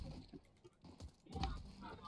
这些战时机构有几千名背景特殊的人。